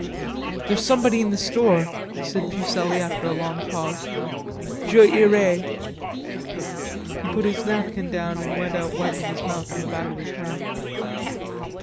"There's somebody in the store," said Fuselli after a long pause. "Je irey." He put his napkin down and went out wiping his mouth on the back of his hand.